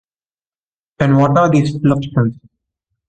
And what are these Fluxions?